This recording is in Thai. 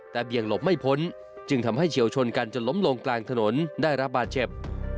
แต่เบี่ยงหลบไม่พ้นจึงทำให้เฉียวชนกันจนล้มลงกลางถนนได้รับบาดเจ็บ